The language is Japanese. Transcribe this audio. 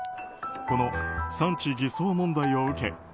この産地偽装問題を受け